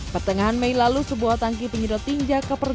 pertengahan mei lalu sebuah tangki penyedot tinja keperluan